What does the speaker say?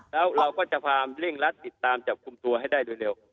อ๋ออ๋อแล้วเราก็จะพาเร่งรัฐติดตามจับคุมตัวให้ได้เร็ว